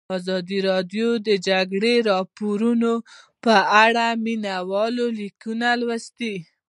ازادي راډیو د د جګړې راپورونه په اړه د مینه والو لیکونه لوستي.